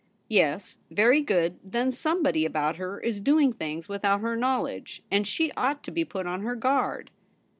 ' Yes, very good. Then somebody about her is doing things without her knowledge ; and she ought to be put on her guard.'